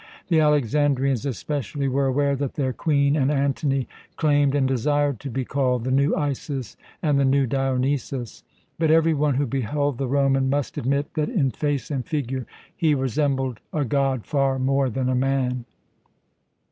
The Alexandrians especially were aware that their Queen and Antony claimed and desired to be called "The new Isis" and "The new Dionysus." But every one who beheld the Roman must admit that in face and figure he resembled a god far more than a man.